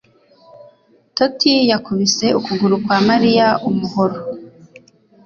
Toti yakubise ukuguru kwa Mariya umuhoro.